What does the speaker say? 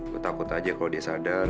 gue takut aja kalau dia sadar